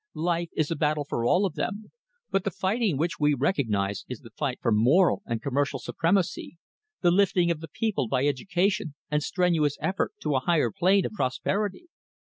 "Life is a battle for all of them, but the fighting which we recognise is the fight for moral and commercial supremacy, the lifting of the people by education and strenuous effort to a higher plane of prosperity."